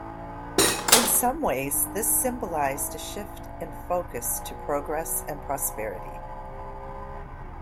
In some ways this symbolised a shift in focus to progress and prosperity.